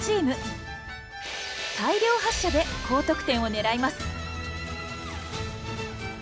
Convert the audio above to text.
大量発射で高得点を狙います。